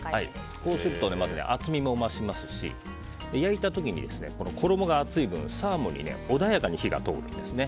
こうすると、厚みも増しますし焼いた時に衣が厚い分サーモンに穏やかに火が通るんですね。